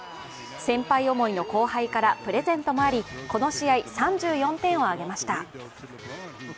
先輩思いの後輩からプレゼントもあり、この試合３４点を挙げました。